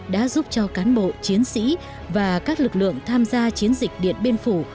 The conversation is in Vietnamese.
đã giúp cho cán bộ chiến sĩ và các lực lượng tham gia chiến dịch điện biên phủ